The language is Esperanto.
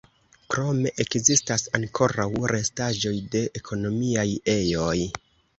Krome ekzistas ankoraŭ restaĵoj de ekonomiaj ejoj.